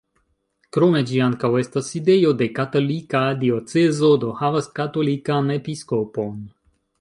Krome ĝi ankaŭ estas sidejo de katolika diocezo, do havas katolikan episkopon.